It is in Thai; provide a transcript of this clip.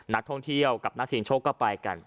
นักท่องเที่ยวกับนักเสียงโชคก็ไปกัน